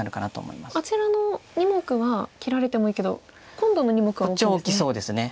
あちらの２目は切られてもいいけど今度の２目は大きいですね。